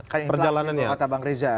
kaya inflasi di kota bangreja